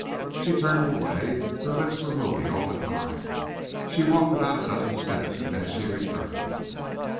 She turned away. Her lips were moving all the time. She walked about a dozen steps, and then she returned.